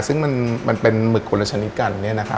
ซึ่งมันเป็นหมึกคนละชนิดกัน